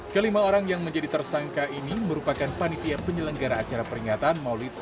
kelima orang yang menjadi tersangka ini merupakan panitia penyelenggara acara peringatan maulid